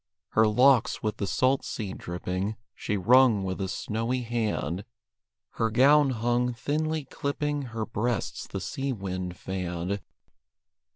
Her locks, with the salt sea dripping, She wrung with a snowy hand; Her gown hung, thinly clipping Her breasts the sea wind fanned.